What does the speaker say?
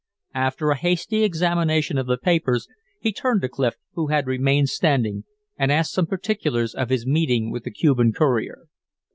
After a hasty examination of the papers, he turned to Clif, who had remained standing, and asked some particulars of his meeting with the Cuban courier.